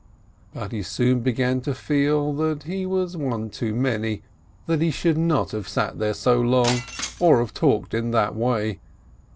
396 RAISIN But he soon began to feel he was one too many, that he should not have sat there so long, or have talked in that way.